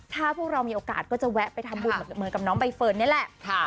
ถ้าพวกเรามีโอกาสก็จะแวะไปทำบุญเหมือนกับน้องใบเฟิร์นนี่แหละ